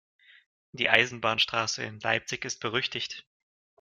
Die Eisenbahnstraße in Leipzig ist berüchtigt.